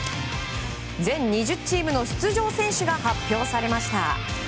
全２０チームの出場選手が発表されました。